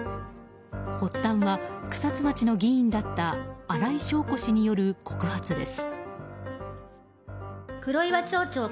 発端は草津町の議員だった新井祥子氏による告発です。